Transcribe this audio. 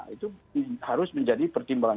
itu harus menjadi pertimbangan